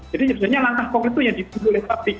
jadi sebenarnya langkah konkret itu yang ditunjukkan oleh pabrik